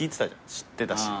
知ってたし。